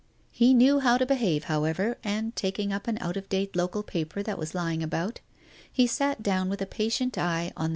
He knew how to behave, however, and taking up an out of date local paper that was lying about, he sat down with a patient eye on the.